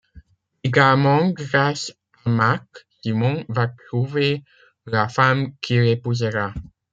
Également grâce à Mack, Simon va trouver la femme qu'il épousera.